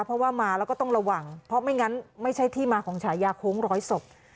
เพราะว่ามาแล้วก็ต้องระวังเพราะไม่งั้นไม่ใช่ที่มาของฉายาโค้งร้อยศพ